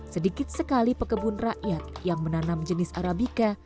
sedikit sekali pekebun rakyat yang menanam jenis arabica